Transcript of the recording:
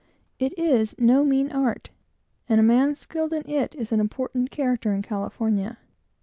It is no mean art, and a man skilled in it is an important character in California.